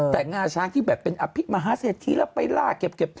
แต่งาช้างที่แบบเป็นอภิมหาเศรษฐีแล้วไปล่าเก็บ